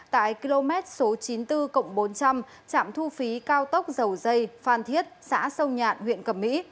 tại km số chín mươi bốn bốn trăm linh trạm thu phí cao tốc dầu dây phan thiết xã sông nhạn huyện cầm mỹ